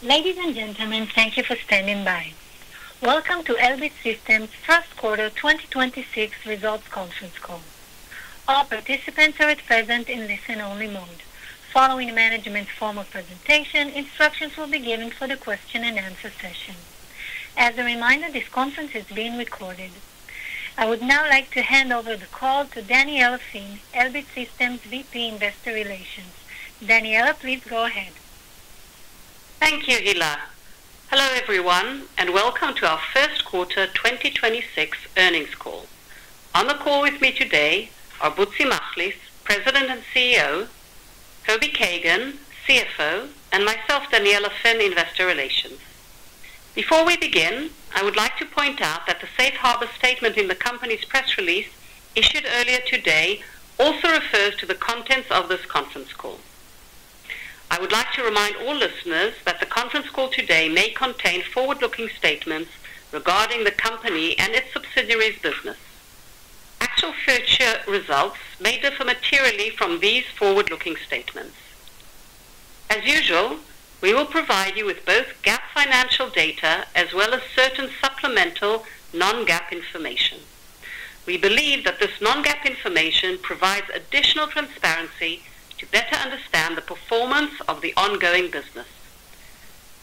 Ladies and gentlemen, thank you for standing by. Welcome to Elbit Systems' first quarter 2026 results conference call. All participants are at present in listen-only mode. Following management's formal presentation, instructions will be given for the question and answer session. As a reminder, this conference is being recorded. I would now like to hand over the call to Daniella Finn, Elbit Systems Vice President, Investor Relations. Daniella, please go ahead. Thank you, Hila. Hello everyone, welcome to our first quarter 2026 earnings call. On the call with me today are Bezhalel Machlis, President and Chief Executive Officer, Kobi Kagan, Chief Financial Officer, and myself, Daniella Finn, Investor Relations. Before we begin, I would like to point out that the safe harbor statement in the company's press release issued earlier today also refers to the contents of this conference call. I would like to remind all listeners that the conference call today may contain forward-looking statements regarding the company and its subsidiaries' business. Actual future results may differ materially from these forward-looking statements. As usual, we will provide you with both GAAP financial data as well as certain supplemental non-GAAP information. We believe that this non-GAAP information provides additional transparency to better understand the performance of the ongoing business.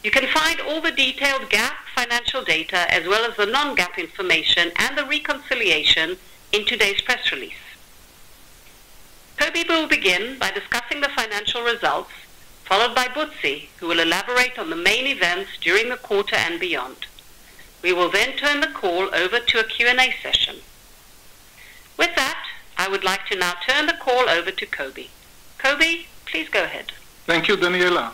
You can find all the detailed GAAP financial data, as well as the non-GAAP information and the reconciliation, in today's press release. Kobi will begin by discussing the financial results, followed by Butzi, who will elaborate on the main events during the quarter and beyond. We will then turn the call over to a Q&A session. With that, I would like to now turn the call over to Kobi. Kobi, please go ahead. Thank you, Daniella.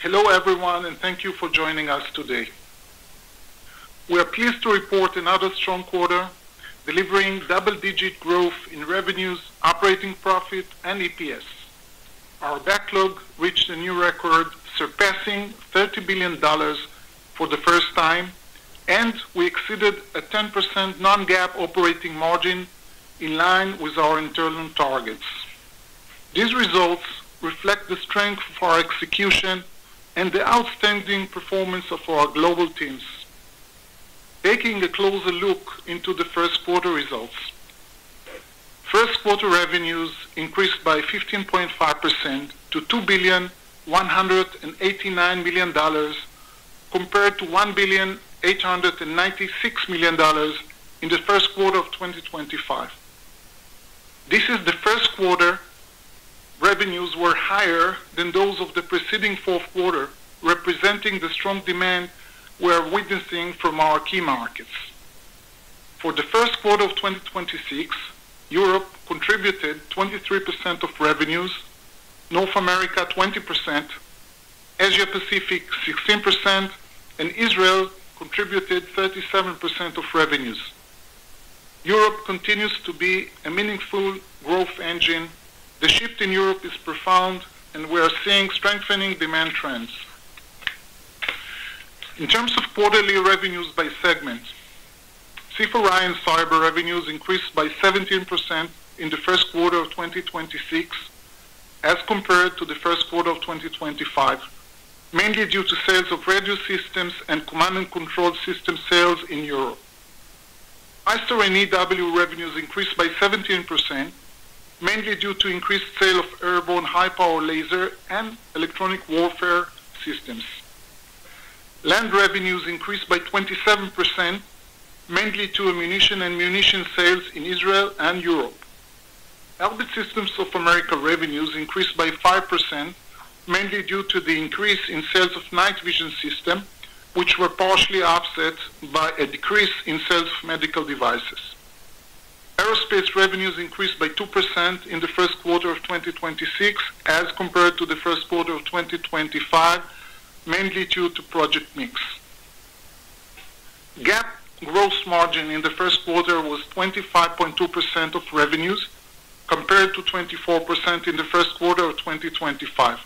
Hello everyone, thank you for joining us today. We are pleased to report another strong quarter, delivering double-digit growth in revenues, operating profit, and EPS. Our backlog reached a new record, surpassing $30 billion for the first time, and we exceeded a 10% non-GAAP operating margin in line with our internal targets. These results reflect the strength of our execution and the outstanding performance of our global teams. Taking a closer look into the first quarter results. First quarter revenues increased by 15.5% to $2.189 billion, compared to $1.896 billion in the first quarter of 2025. This is the first quarter revenues were higher than those of the preceding fourth quarter, representing the strong demand we are witnessing from our key markets. For the first quarter of 2026, Europe contributed 23% of revenues, North America 20%, Asia-Pacific 16%, and Israel contributed 37% of revenues. Europe continues to be a meaningful growth engine. The shift in Europe is profound, and we are seeing strengthening demand trends. In terms of quarterly revenues by segment, C4I and Cyber revenues increased by 17% in the first quarter of 2026 as compared to the first quarter of 2025, mainly due to sales of radio systems and command and control system sales in Europe. ISTAR and EW revenues increased by 17%, mainly due to increased sale of airborne high-power laser and electronic warfare systems. Land revenues increased by 27%, mainly to ammunition and munition sales in Israel and Europe. Elbit Systems of America revenues increased by 5%, mainly due to the increase in sales of night vision system, which were partially offset by a decrease in sales of medical devices. Aerospace revenues increased by 2% in the first quarter of 2026 as compared to the first quarter of 2025, mainly due to project mix. GAAP gross margin in the first quarter was 25.2% of revenues, compared to 24% in the first quarter of 2025.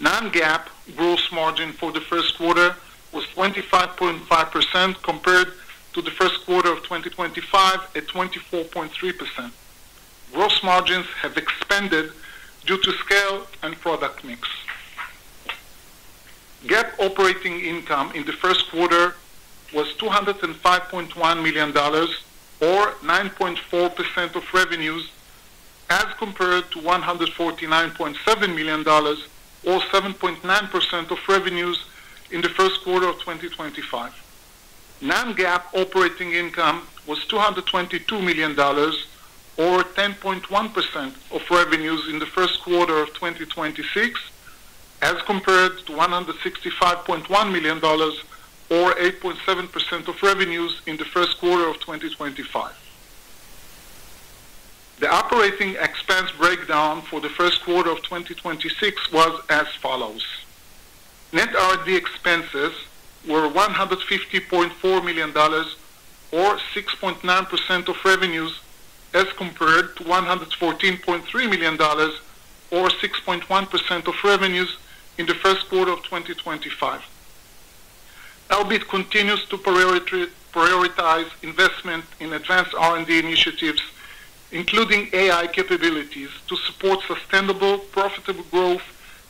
Non-GAAP gross margin for the first quarter was 25.5%, compared to the first quarter of 2025 at 24.3%. Gross margins have expanded due to scale and product mix. GAAP operating income in the first quarter was $205.1 million, or 9.4% of revenues, as compared to $149.7 million, or 7.9% of revenues in the first quarter of 2025. Non-GAAP operating income was $222 million, or 10.1% of revenues in the first quarter of 2026, as compared to $165.1 million, or 8.7% of revenues in the first quarter of 2025. The operating expense breakdown for the first quarter of 2026 was as follows. Net R&D expenses were $150.4 million, or 6.9% of revenues, as compared to $114.3 million, or 6.1% of revenues in the first quarter of 2025. Elbit continues to prioritize investment in advanced R&D initiatives, including AI capabilities, to support sustainable, profitable growth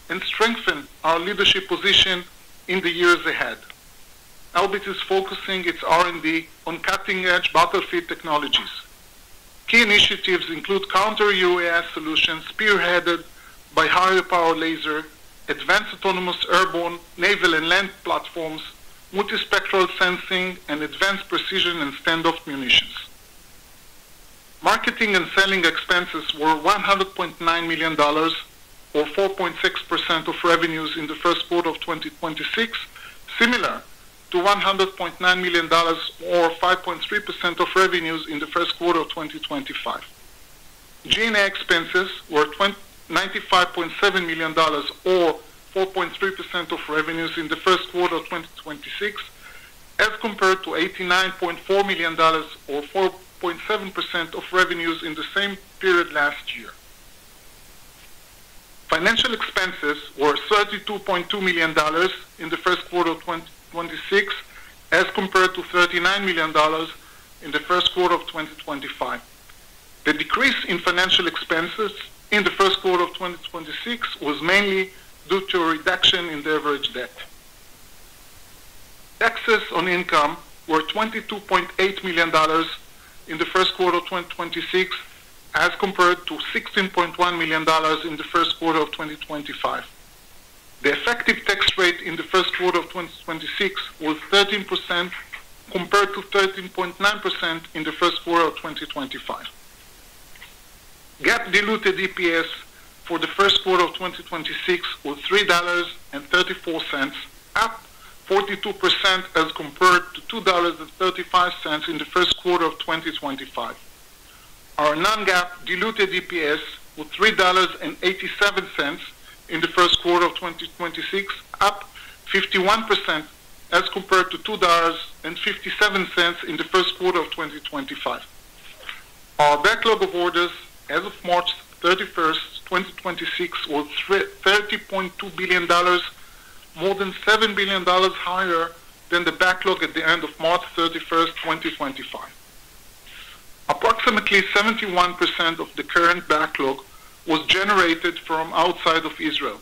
and strengthen our leadership position in the years ahead. Elbit is focusing its R&D on cutting-edge battlefield technologies. Key initiatives include counter UAS solutions spearheaded by higher power laser, advanced autonomous airborne, naval and land platforms, multispectral sensing and advanced precision and standoff munitions. Marketing and selling expenses were $100.9 million or 4.6% of revenues in the first quarter of 2026, similar to $100.9 million or 5.3% of revenues in the first quarter of 2025. G&A expenses were $95.7 million or 4.3% of revenues in the first quarter of 2026 as compared to $89.4 million or 4.7% of revenues in the same period last year. Financial expenses were $32.2 million in the first quarter of 2026 as compared to $39 million in the first quarter of 2025. The decrease in financial expenses in the first quarter of 2026 was mainly due to a reduction in the average debt. Taxes on income were $22.8 million in the first quarter of 2026 as compared to $16.1 million in the first quarter of 2025. The effective tax rate in the first quarter of 2026 was 13% compared to 13.9% in the first quarter of 2025. GAAP diluted EPS for the first quarter of 2026 was $3.34, up 42%, as compared to $2.35 in the first quarter of 2025. Our non-GAAP diluted EPS was $3.87 in the first quarter of 2026, up 51%, as compared to $2.57 in the first quarter of 2025. Our backlog of orders as of March 31st, 2026, was $30.2 billion, more than $7 billion higher than the backlog at the end of March 31st, 2025. Approximately 71% of the current backlog was generated from outside of Israel.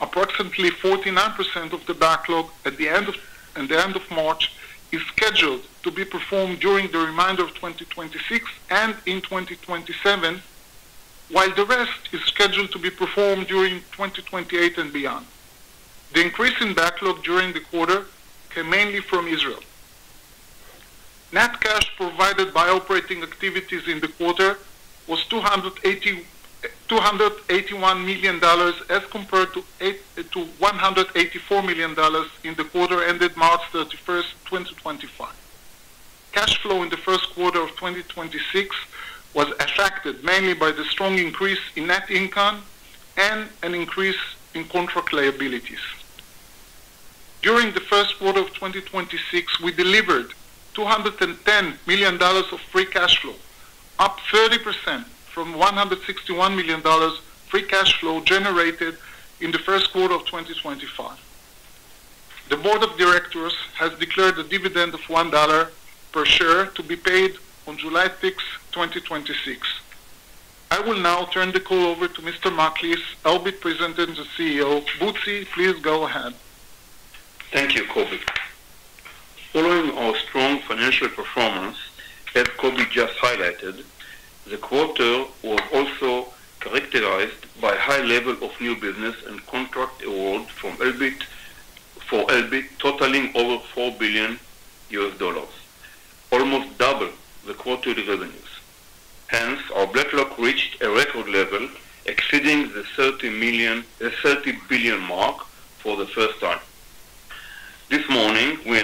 Approximately 49% of the backlog at the end of March is scheduled to be performed during the remainder of 2026 and in 2027, while the rest is scheduled to be performed during 2028 and beyond. The increase in backlog during the quarter came mainly from Israel. Net cash provided by operating activities in the quarter was $281 million as compared to $184 million in the quarter ended March 31st, 2025. Cash flow in the first quarter of 2026 was affected mainly by the strong increase in net income and an increase in contract liabilities. During the first quarter of 2026, we delivered $210 million of free cash flow, up 30% from $161 million free cash flow generated in the first quarter of 2025. The board of directors has declared a dividend of $1 per share to be paid on July 6th, 2026. I will now turn the call over to Mr. Machlis, Elbit President and CEO. Butzi, please go ahead. Thank you, Kobi. Following our strong financial performance, as Kobi just highlighted, the quarter was also characterized by high level of new business and contract awards for Elbit totaling over $4 billion, almost double the quarterly revenues. Our backlog reached a record level exceeding the $30 billion mark for the first time. This morning we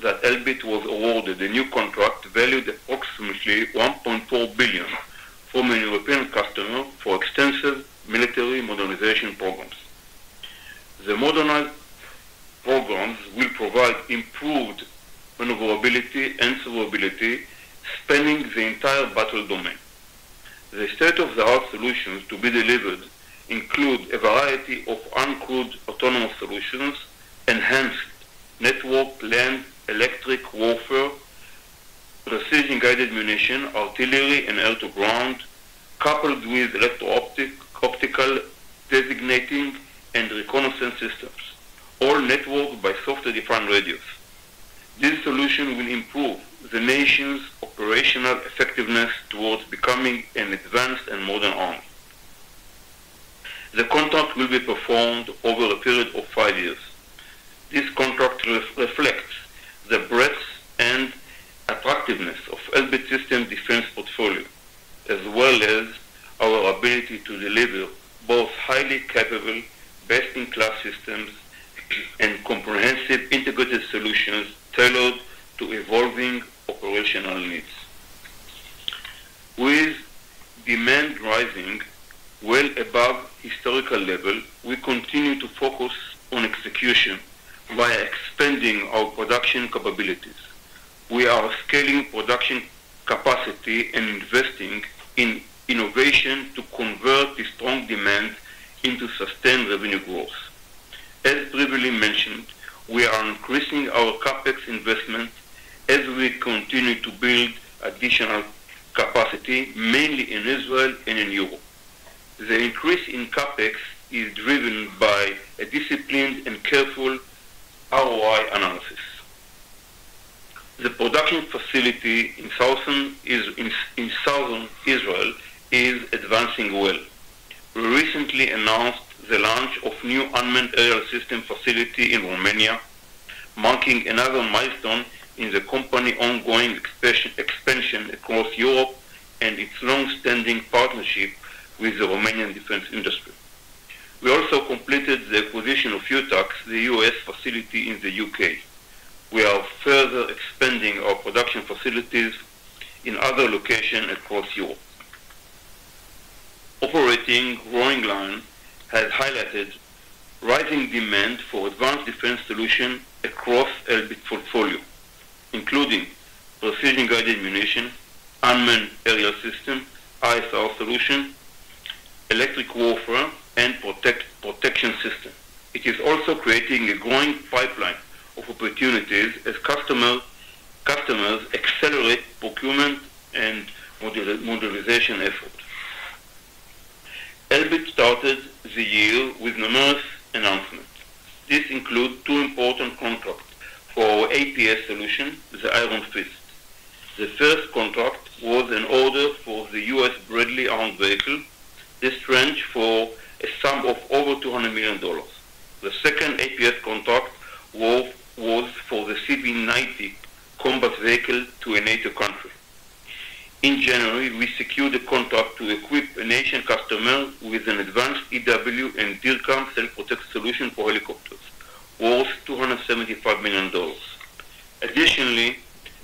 announced that Elbit was awarded a new contract valued approximately $1.4 billion from a European customer for extensive military modernization programs. The modernized programs will provide improved maneuverability and survivability spanning the entire battle domain. The state-of-the-art solutions to be delivered include a variety of uncrewed autonomous solutions, enhanced networked land electronic warfare, precision-guided munition, artillery, and air-to-ground coupled with electro-optical designating and reconnaissance systems, all networked by software-defined radios. This solution will improve the nation's operational effectiveness towards becoming an advanced and modern army. The contract will be performed over a period of five years. This contract reflects the breadth and attractiveness of Elbit Systems defense portfolio, as well as our ability to deliver both highly capable best-in-class systems and comprehensive integrated solutions tailored to evolving operational needs. With demand rising well above historical level, we continue to focus on execution via expanding our production capabilities. We are scaling production capacity and investing in innovation to convert the strong demand into sustained revenue growth. As previously mentioned, we are increasing our CapEx investment as we continue to build additional capacity, mainly in Israel and in Europe. The increase in CapEx is driven by a disciplined and careful ROI analysis. The production facility in southern Israel is advancing well. We recently announced the launch of new unmanned aerial system facility in Romania, marking another milestone in the company ongoing expansion across Europe and its long-standing partnership with the Romanian defense industry. We also completed the acquisition of UTACS, the US facility in the U.K. We are further expanding our production facilities in other locations across Europe. Operating growth has highlighted rising demand for advanced defense solutions across Elbit Systems's portfolio, including precision-guided ammunition, unmanned aerial system, ISR solution, electronic warfare, and protection system. It is also creating a growing pipeline of opportunities as customers accelerate procurement and modernization efforts. Elbit started the year with numerous announcements. These include two important contracts for our APS solution, the Iron Fist. The first contract was an order for the U.S. Bradley armored vehicle. This ranged for a sum of over $200 million. The second APS contract was for the CV90 combat vehicle to a NATO country. In January, we secured a contract to equip a nation customer with an advanced EW and DIRCM self-protect solution for helicopters worth $275 million.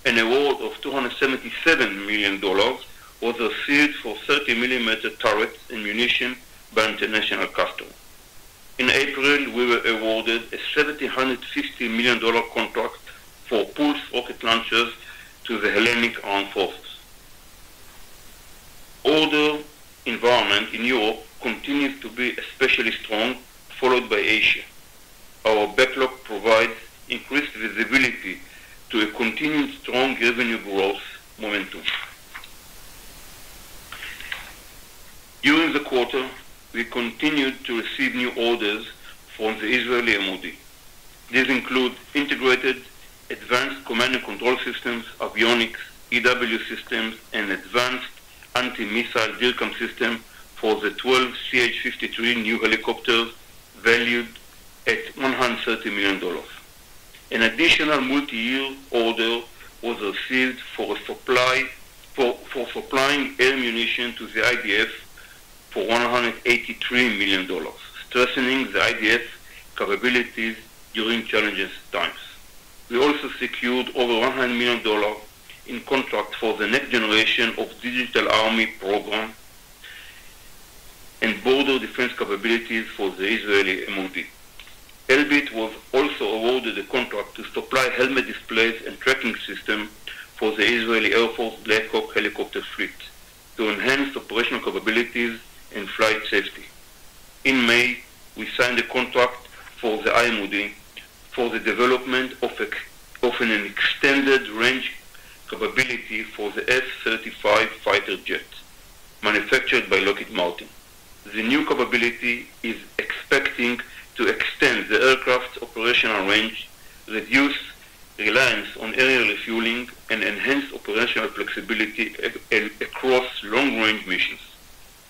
An award of $277 million was received for 30 mm turret ammunition by international customer. In April, we were awarded a $750 million contract for PULS rocket launchers to the Hellenic Armed Forces. Order environment in Europe continues to be especially strong, followed by Asia. Our backlog provides increased visibility to a continued strong revenue growth momentum. During the quarter, we continued to receive new orders from the Israeli MOD. These include integrated advanced command and control systems, avionics, EW systems, and advanced anti-missile system for the 12 CH-53 new helicopters valued at $130 million. An additional multi-year order was received for supplying ammunition to the IDF for $183 million, strengthening the IDF's capabilities during challenging times. We also secured over $100 million in contracts for the next generation of Digital Army program and border defense capabilities for the Israeli MOD. Elbit was also awarded a contract to supply helmet displays and tracking system for the Israeli Air Force Black Hawk helicopter fleet to enhance operational capabilities and flight safety. In May, we signed a contract for the IMOD for the development of an extended range capability for the F-35 fighter jets manufactured by Lockheed Martin. The new capability is expecting to extend the aircraft's operational range, reduce reliance on aerial refueling, and enhance operational flexibility across long-range missions.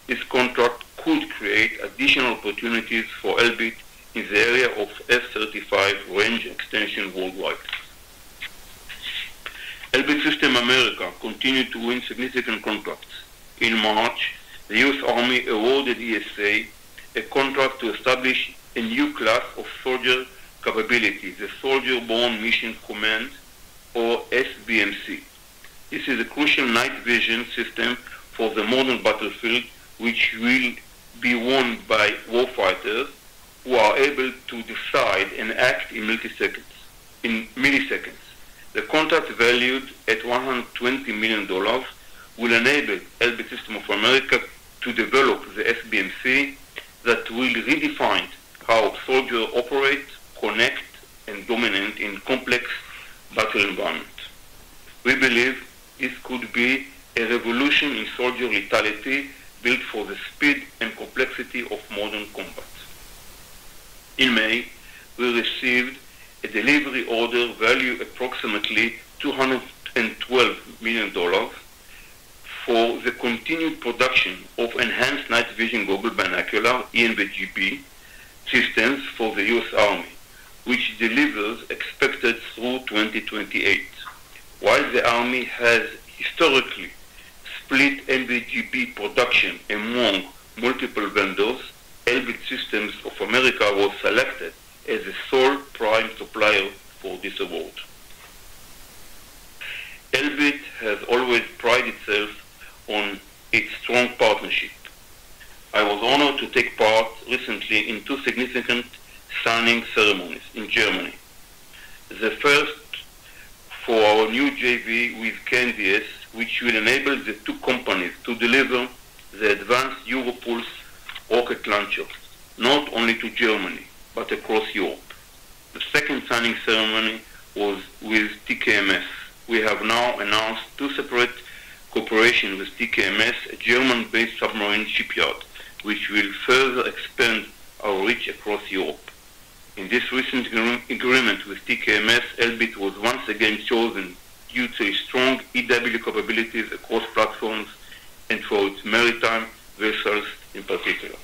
This contract could create additional opportunities for Elbit in the area of F-35 range extension worldwide. Elbit Systems of America continued to win significant contracts. In March, the U.S. Army awarded ESA a contract to establish a new class of soldier capability, the Soldier Borne Mission Command, or SBMC. This is a crucial night vision system for the modern battlefield, which will be worn by war fighters who are able to decide and act in milliseconds. The contract, valued at $120 million, will enable Elbit Systems of America to develop the SBMC that will redefine how soldiers operate, connect, and dominate in complex battle environments. We believe this could be a revolution in soldier lethality built for the speed and complexity of modern combat. In May, we received a delivery order valued approximately $212 million for the continued production of Enhanced Night Vision Goggle – Binocular, ENVG-B, systems for the U.S. Army, which delivers expected through 2028. While the Army has historically split ENVG production among multiple vendors, Elbit Systems of America was selected as the sole prime supplier for this award. Elbit has always prided itself on its strong partnership. I was honored to take part recently in two significant signing ceremonies in Germany. The first for our new JV with KNDS, which will enable the two companies to deliver the advanced EuroPULS rocket launchers, not only to Germany, but across Europe. The second signing ceremony was with TKMS. We have now announced two separate cooperation with TKMS, a German-based submarine shipyard, which will further expand our reach across Europe. In this recent agreement with TKMS, Elbit was once again chosen due to a strong EW capability across platforms, and for its maritime vessels in particular.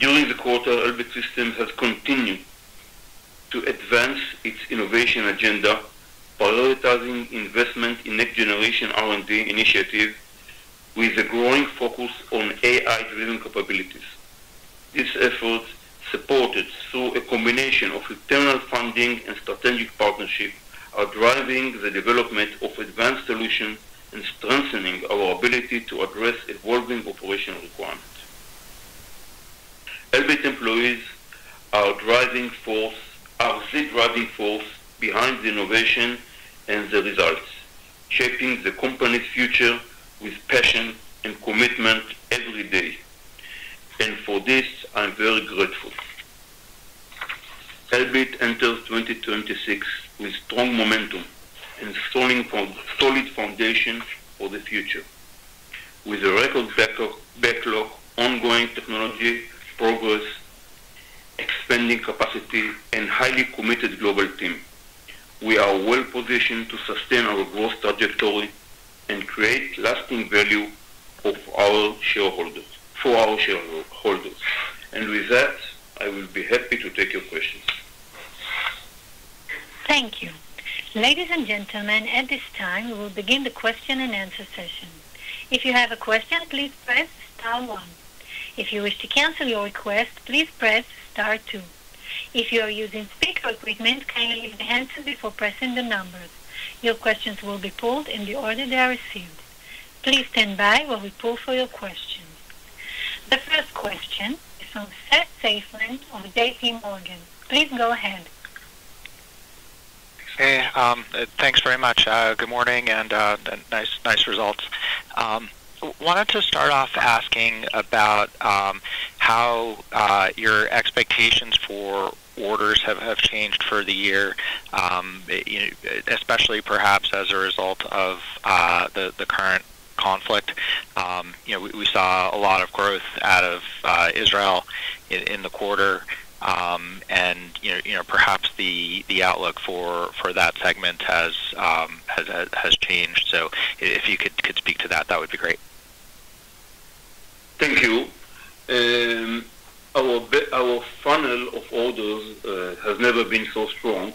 During the quarter, Elbit Systems has continued to advance its innovation agenda, prioritizing investment in next generation R&D initiatives with a growing focus on AI-driven capabilities. These efforts, supported through a combination of internal funding and strategic partnership, are driving the development of advanced solutions and strengthening our ability to address evolving operational requirements. Elbit employees are the driving force behind the innovation and the results, shaping the company's future with passion and commitment every day, and for this, I'm very grateful. Elbit enters 2026 with strong momentum and solid foundation for the future. With a record backlog, ongoing technology progress, expanding capacity, and highly committed global team, we are well-positioned to sustain our growth trajectory and create lasting value for our shareholders. With that, I will be happy to take your questions. Thank you. Ladies and gentlemen, at this time, we will begin the question and answer session. If you have a question, please press star one. If you wish to cancel your request, please press star two. If you are using a speakerphone, kindly lift the handset before pressing the numbers. Your questions will be pulled in the ordinary queue. Please stand by while we pull for your question. Thank you. The first question is from Seth Seifman of JPMorgan. Please go ahead. Hey, thanks very much. Good morning, nice results. Wanted to start off asking about how your expectations for orders have changed for the year, especially perhaps as a result of the current conflict. We saw a lot of growth out of Israel in the quarter, perhaps the outlook for that segment has changed. If you could speak to that would be great. Thank you. Our funnel of orders has never been so strong.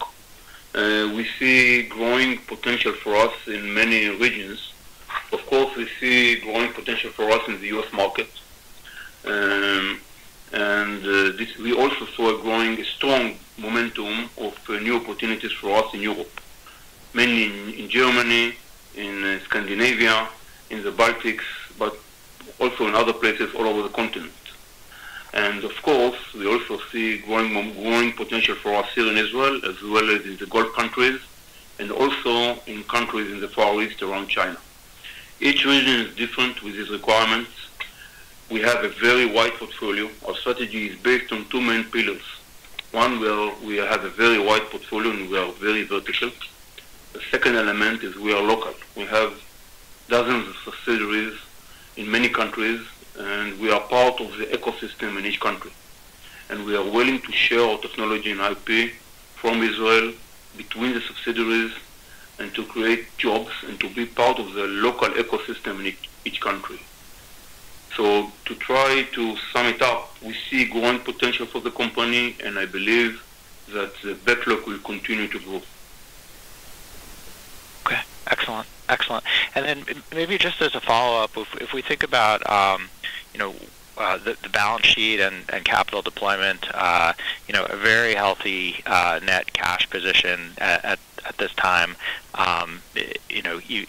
We see growing potential for us in many regions. Of course, we see growing potential for us in the U.S. market. We also saw a growing strong momentum of new opportunities for us in Europe, mainly in Germany, in Scandinavia, in the Baltics, but also in other places all over the continent. Of course, we also see growing potential for us here in Israel, as well as in the Gulf countries, and also in countries in the Far East around China. Each region is different with its requirements. We have a very wide portfolio. Our strategy is based on two main pillars. One, where we have a very wide portfolio, and we are very vertical. The second element is we are local. We have dozens of subsidiaries in many countries, and we are part of the ecosystem in each country, and we are willing to share our technology and IP from Israel between the subsidiaries and to create jobs and to be part of the local ecosystem in each country. To try to sum it up, we see growing potential for the company, and I believe that the backlog will continue to grow. Okay. Excellent. Maybe just as a follow-up, if we think about the balance sheet and capital deployment, a very healthy net cash position at this time.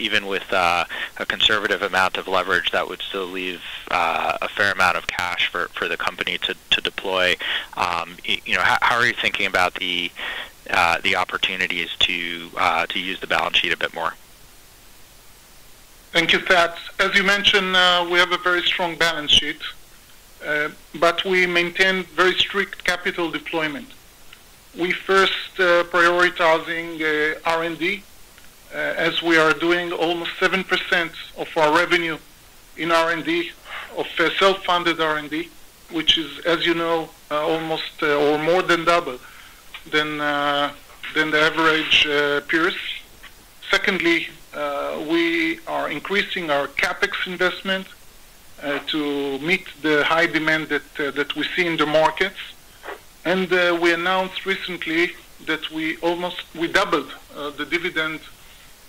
Even with a conservative amount of leverage, that would still leave a fair amount of cash for the company to deploy. How are you thinking about the opportunities to use the balance sheet a bit more? Thank you, Seth. As you mentioned, we have a very strong balance sheet, but we maintain very strict capital deployment. We first prioritizing R&D, as we are doing almost 7% of our revenue in R&D, of self-funded R&D, which is, as you know, almost or more than double than the average peers. Secondly, we are increasing our CapEx investment to meet the high demand that we see in the markets. We announced recently that we doubled the dividend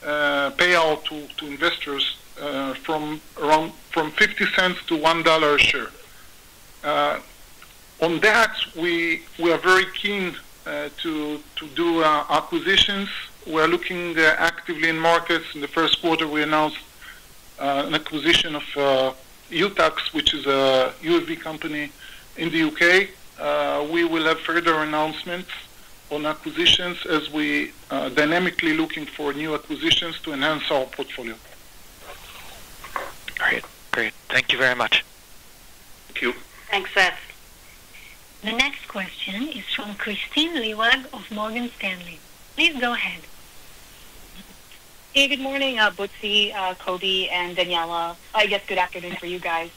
payout to investors from $0.50-$1 a share. On that, we are very keen to do acquisitions. We are looking actively in markets. In the first quarter, we announced an acquisition of UTACS, which is a UAV company in the U.K. We will have further announcements on acquisitions as we dynamically looking for new acquisitions to enhance our portfolio. All right, great. Thank you very much. Thank you. Thanks, Seth. The next question is from Kristine Liwag of Morgan Stanley. Please go ahead. Hey, good morning, Butzi, Kobi, and Daniella. I guess good afternoon to you guys.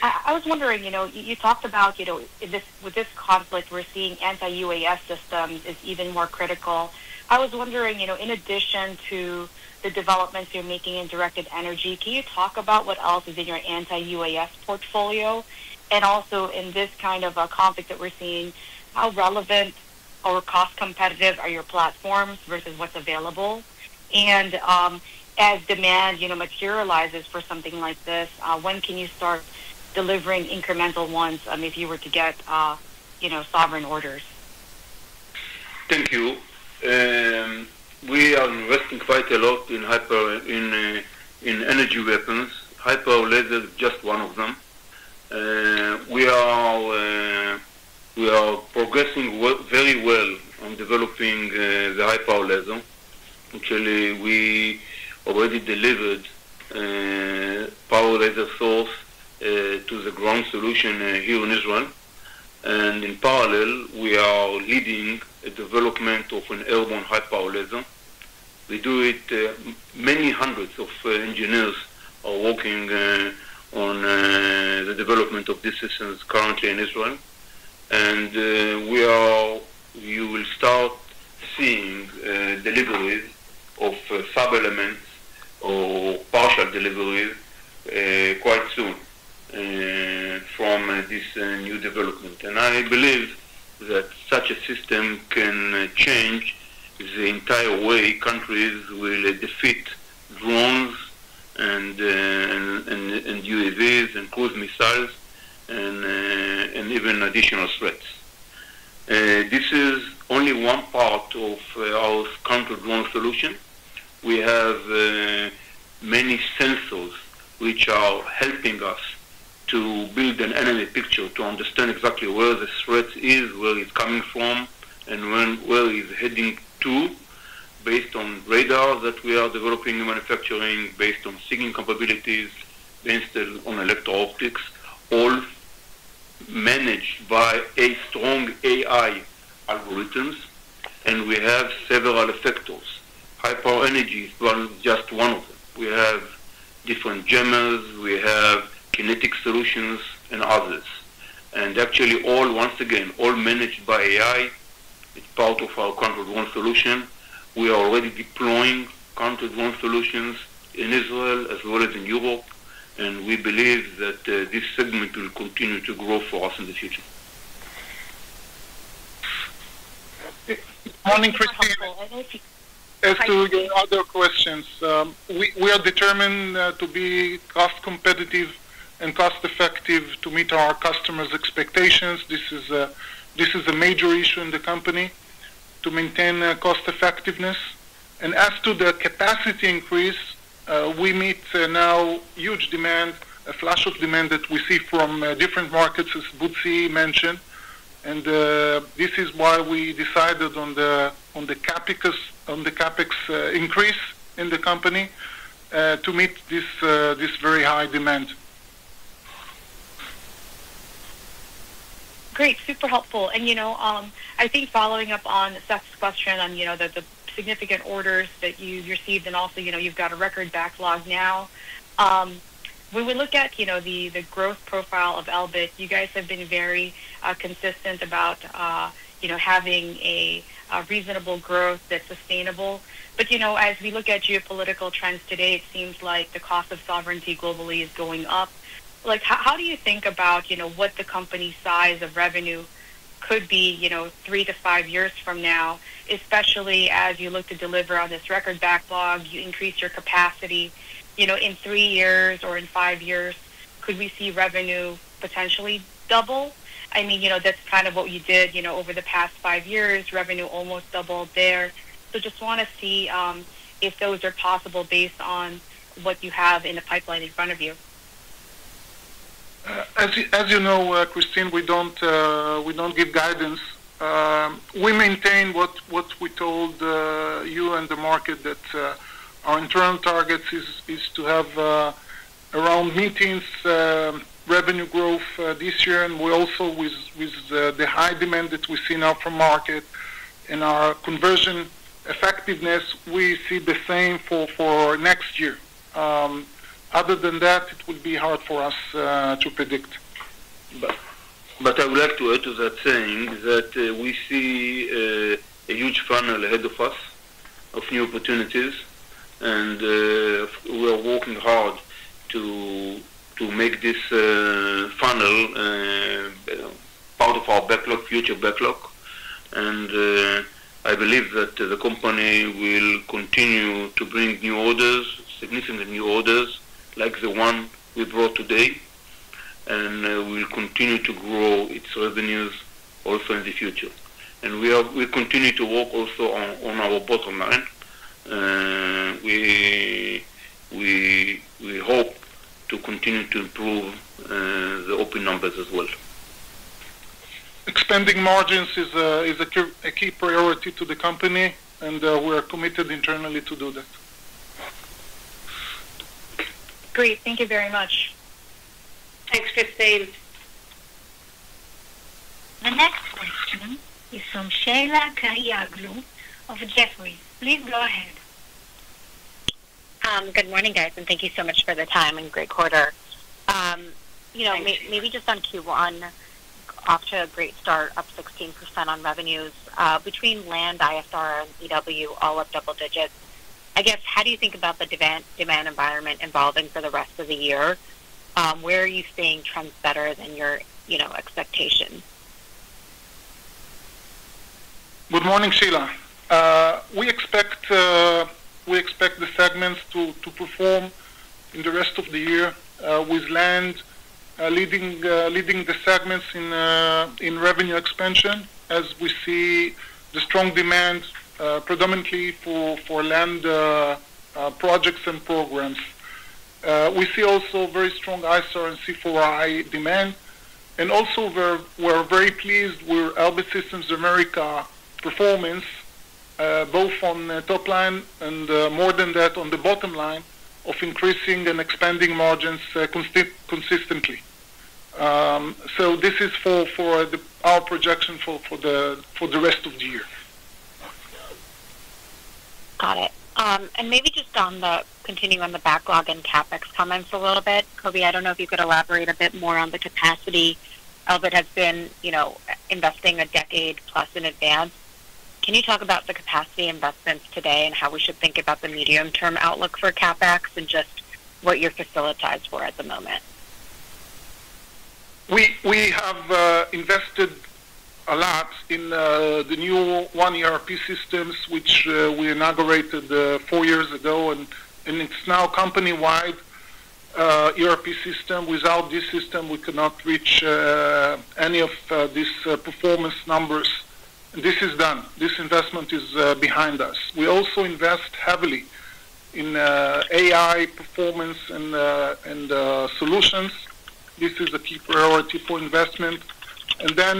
I was wondering, you talked about with this conflict we're seeing anti-UAS systems is even more critical. I was wondering, in addition to the developments you're making in directed energy, can you talk about what else is in your anti-UAS portfolio? Also in this kind of a conflict that we're seeing, how relevant or cost competitive are your platforms versus what's available? As demand materializes for something like this, when can you start delivering incremental ones, if you were to get sovereign orders? Thank you. We are investing quite a lot in energy weapons. High-power laser is just one of them. We are progressing very well on developing the high-power laser. Actually, we already delivered power laser source to the ground solution here in Israel. In parallel, we are leading a development of an airborne high-power laser. Many hundreds of engineers are working on the development of this system currently in Israel, and you will start seeing deliveries of sub-elements or partial deliveries quite soon from this new development. I believe that such a system can change the entire way countries will defeat drones and UAVs and cruise missiles and even additional threats. This is only one part of our counter-drone solution. We have many sensors which are helping us to build an enemy picture to understand exactly where the threat is, where it's coming from, and where it's heading to based on radar that we are developing and manufacturing based on seeking capabilities based on electro-optics, all managed by a strong AI algorithms. We have several effectors. High-power energy is just one of them. We have different jammers, we have kinetic solutions and others, and actually all, once again, all managed by AI. It's part of our counter-drone solution. We are already deploying counter-drone solutions in Israel as well as in Europe, and we believe that this segment will continue to grow for us in the future. Morning, Kristine. As to your other questions, we are determined to be cost competitive and cost effective to meet our customers' expectations. This is a major issue in the company to maintain cost effectiveness. As to the capacity increase, we meet now huge demand, a flash of demand that we see from different markets, as Butzi mentioned. This is why we decided on the CapEx increase in the company, to meet this very high demand. Great. Super helpful. I think following up on Seth's question on the significant orders that you received and also, you've got a record backlog now. When we look at the growth profile of Elbit, you guys have been very consistent about having a reasonable growth that's sustainable. As we look at geopolitical trends today, it seems like the cost of sovereignty globally is going up. How do you think about what the company size of revenue could be three to five years from now, especially as you look to deliver on this record backlog, you increase your capacity. In three years or in five years, could we see revenue potentially double? That's kind of what you did over the past five years. Revenue almost doubled there. Just want to see if those are possible based on what you have in the pipeline in front of you. As you know, Kristine, we don't give guidance. We maintain what we told you and the market that our internal target is to have around mid-teens revenue growth this year. Also with the high demand that we see in our market and our conversion effectiveness, we see the same for next year. Other than that, it would be hard for us to predict. I would like to add to that saying that we see a huge funnel ahead of us of new opportunities and we are working hard to make this funnel part of our future backlog. I believe that the company will continue to bring significant new orders like the one we brought today, and will continue to grow its revenues also in the future. We continue to work also on our bottom line. We hope to continue to improve the OP numbers as well. Expanding margins is a key priority to the company, and we're committed internally to do that. Great. Thank you very much. Thanks, Kristine. The next question is from Sheila Kahyaoglu of Jefferies. Please go ahead. Good morning, guys, and thank you so much for the time and great quarter. Thank you. Maybe just on Q1, off to a great start up 16% on revenues between Land, ISR, and C4I, all up double digits. I guess, how do you think about the demand environment evolving for the rest of the year? Where are you seeing trends better than your expectations? Good morning, Sheila. We expect the segments to perform in the rest of the year with Land leading the segments in revenue expansion, as we see the strong demand predominantly for Land projects and programs. We see also very strong ISR and C4I demand, and also we're very pleased with Elbit Systems of America performance, both on the top line and more than that on the bottom line of increasing and expanding margins consistently. This is for our projection for the rest of the year. Got it. Maybe just continuing on the backlog and CapEx comments a little bit. Kobi, I don't know if you could elaborate a bit more on the capacity. Elbit has been investing a decade plus in advance. Can you talk about the capacity investments today and how we should think about the medium-term outlook for CapEx and just what you're facilitators for at the moment? We have invested a lot in the new OneERP systems, which we inaugurated four years ago, and it's now company-wide ERP system. Without this system, we cannot reach any of these performance numbers. This is done. This investment is behind us. We also invest heavily in AI performance and solutions. This is a key priority for investment. Then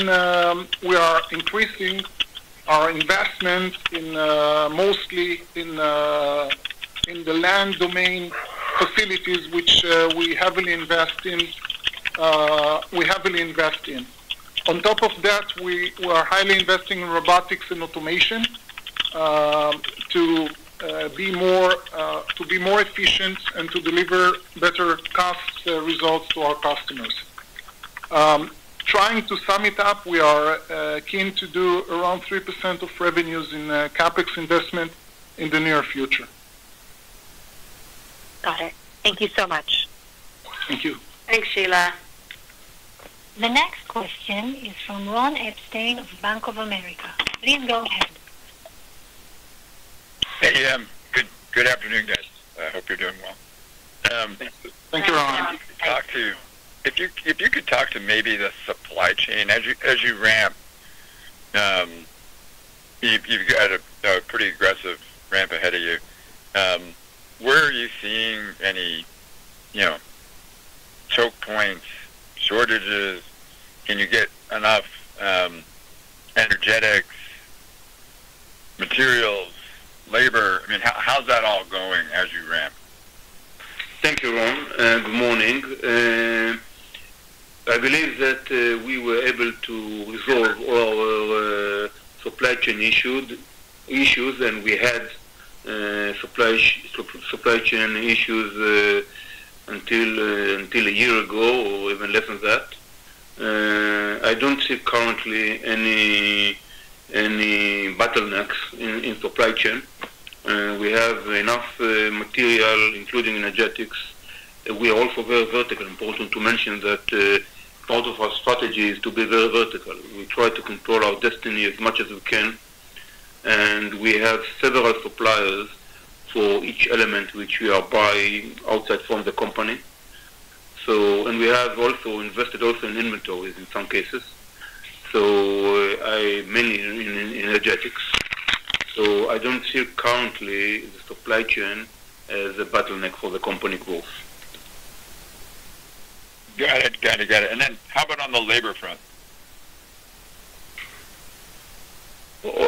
we are increasing our investment mostly in the Land domain facilities, which we heavily invest in. On top of that, we are highly investing in robotics and automation to be more efficient and to deliver better task results to our customers. Trying to sum it up, we are keen to do around 3% of revenues in CapEx investment in the near future. Got it. Thank you so much. Thank you. Thanks, Sheila. The next question is from Ron Epstein of Bank of America. Please go ahead. Hey. Good afternoon, guys. I hope you're doing well. Thanks. Thanks, Ron. If you could talk to maybe the supply chain as you ramp, you've got a pretty aggressive ramp ahead of you. Where are you seeing any choke points, shortages? Can you get enough energetics, materials, labor? How's that all going as you ramp? Thank you, Ron. Good morning. I believe that we were able to resolve all our supply chain issues. We had supply chain issues until a year ago or even less than that. I don't see currently any bottlenecks in supply chain. We have enough material, including energetics. We are also very vertical. Important to mention that part of our strategy is to be very vertical. We try to control our destiny as much as we can. We have several suppliers for each element which we are buying outside from the company. We have also invested also in inventories in some cases, mainly in energetics. I don't see currently the supply chain as a bottleneck for the company growth. Got it. How about on the labor front?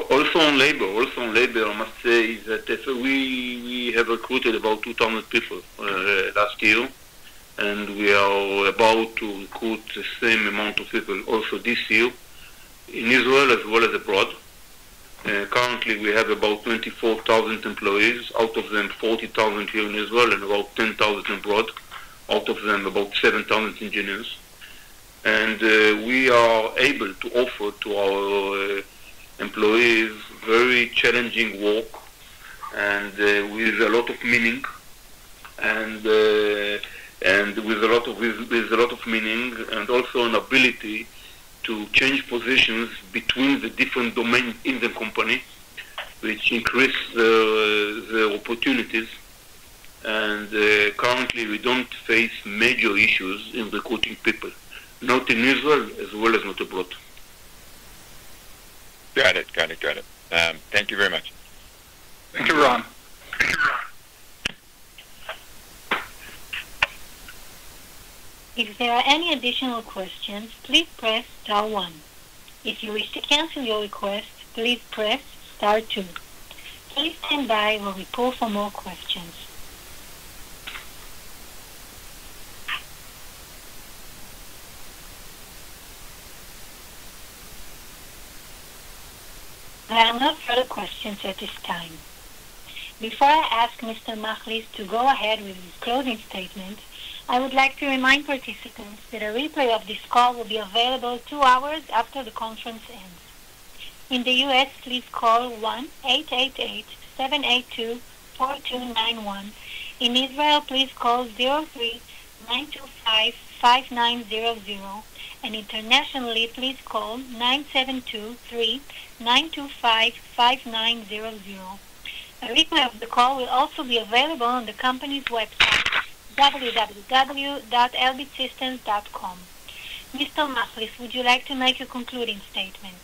Also on labor, I must say is that we have recruited about 2,000 people last year, and we are about to recruit the same amount of people also this year in Israel as well as abroad. Currently, we have about 24,000 employees, out of them 40,000 here in Israel and about 10,000 abroad. Out of them, about 7,000 engineers. We are able to offer to our employees very challenging work and with a lot of meaning, and also an ability to change positions between the different domains in the company, which increase the opportunities. Currently, we don't face major issues in recruiting people, not in Israel as well as not abroad. Got it. Thank you very much. Thank you, Ron. Thank you, Ron. If there are any additional questions, please press star one. If you wish to cancel the request, please press star two. Please send I will report for more questions. I have no further questions at this time. Before I ask Mr. Machlis to go ahead with his closing statement, I would like to remind participants that a replay of this call will be available two hours after the conference ends. In the U.S., please call 1-888-782-4291. In Israel, please call 03-925-5900, and internationally, please call 972-3-925-5900. A replay of the call will also be available on the company's website, www.elbitsystems.com. Mr. Machlis, would you like to make a concluding statement?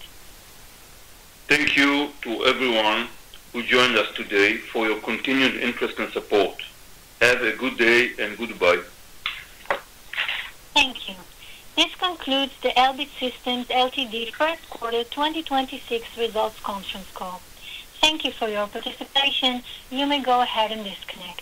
Thank you to everyone who joined us today for your continued interest and support. Have a good day, and goodbye. Thank you. This concludes the Elbit Systems Ltd. first quarter 2026 results conference call. Thank you for your participation. You may go ahead and disconnect.